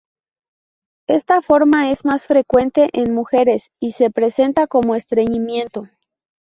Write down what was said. Esta forma es más frecuente en mujeres y se presenta con estreñimiento.